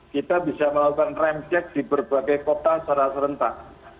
kita bisa melakukan rentek di berbagai kota secara serentak